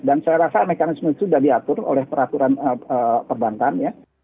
dan saya rasa mekanisme itu sudah diatur oleh peraturan perbankan ya